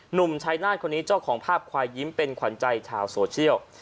หนุ่มชายนาฏคนนี้เจ้าของภาพควายยิ้มเป็นขวัญใจชาวโซเชียล